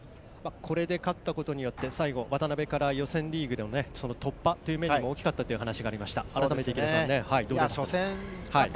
これで勝ったことによって最後、渡辺から予選リーグの突破という面でも大きかったとありました。